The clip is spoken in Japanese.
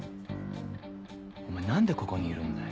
お前何でここにいるんだよ。